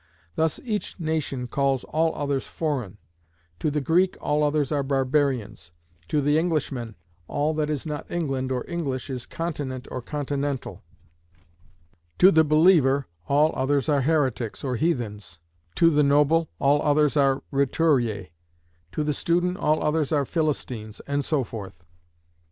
Thus each nation calls all others foreign: to the Greek all others are barbarians; to the Englishman all that is not England or English is continent or continental; to the believer all others are heretics, or heathens; to the noble all others are roturiers; to the student all others are Philistines, and so forth.